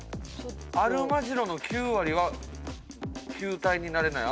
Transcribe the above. アルマジロの９割は球体になれない。